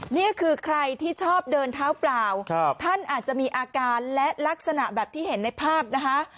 นี่คือใครที่ชอบเดินเท้าเปล่าท่านอาจจะมีอาการและลักษณะแบบที่เห็นในภาพนะคะ